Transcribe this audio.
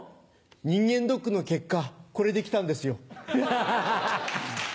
人間ドックの結果これで来たんですよ。